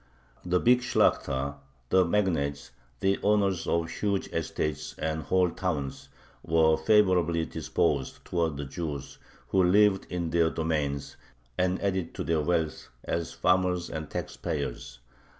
The big Shlakhta, the magnates, the owners of huge estates and whole towns, were favorably disposed towards the Jews who lived in their domains, and added to their wealth as farmers and tax payers.